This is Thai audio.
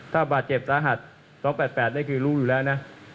ถ้าบาดเจ็บสาหัส๒๘๘นี่คือรู้อยู่แล้วนะ